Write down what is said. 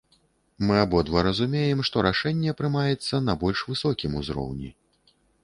Мы абодва разумеем, што рашэнне прымаецца на больш высокім узроўні.